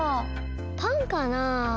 パンかなあ？